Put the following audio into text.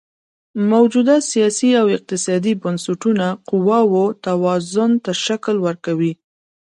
موجوده سیاسي او اقتصادي بنسټونه قواوو توازن ته شکل ورکوي.